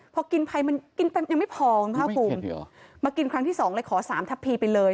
พอกินไปมันกินไปยังไม่พอนะครับผมมากินครั้งที่๒เลยขอ๓ทัพพีไปเลย